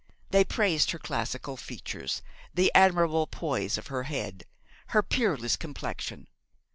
They praised her classical features, the admirable poise of her head, her peerless complexion.